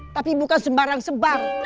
tapi bukan sembarang sebar